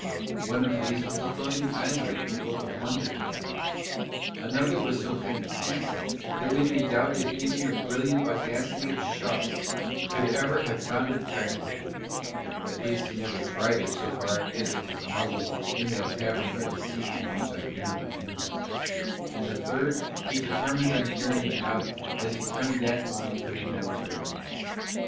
One of these was the floating island that the Book of Wonder tells of, another was so fantastic that we may doubt if even the brilliant audacity of Shard could ever have found it practicable, at least he never tried it so far as is known in that tavern by the sea in which I glean my news, and the third he determined on carrying out as he turned that morning for the Mediterranean.